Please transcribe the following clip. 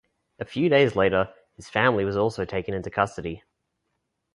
A few days later, his family was also taken into custody.